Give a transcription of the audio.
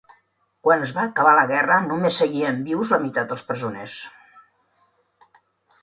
Quan es va acabar la guerra només seguien vius la meitat dels presoners.